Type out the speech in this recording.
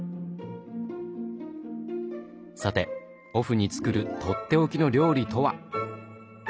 さてオフに作るとっておきの料理とは？